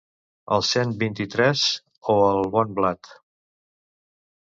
El Cent vint-i-tres o el Bon blat?